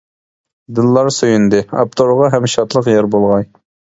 دىللار سۆيۈندى، ئاپتورغا ھەم شادلىق يار بولغاي!